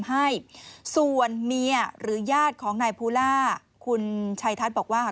ให้ส่วนเมียหรือญาติของนายภูล่าคุณชัยทัศน์บอกว่า